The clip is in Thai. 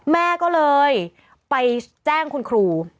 แม่ก็เลยไปแจ้งคุณครู